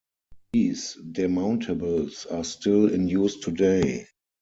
These demountables are still in use today.